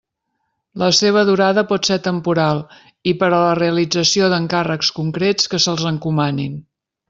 La seva durada pot ser temporal i per a la realització d'encàrrecs concrets que se'ls encomanin.